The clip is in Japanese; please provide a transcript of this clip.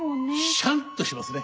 シャンとしますね。